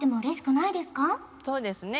そうですね